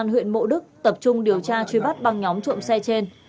công an huyện mộ đức tập trung điều tra truy bắt bằng nhóm trộm xe trên